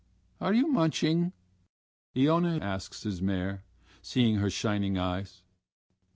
"Are you munching?" Iona asks his mare, seeing her shining eyes.